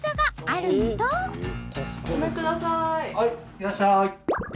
いらっしゃい。